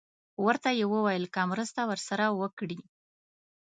ورته یې وویل که مرسته ورسره وکړي.